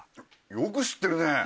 よく知ってるね。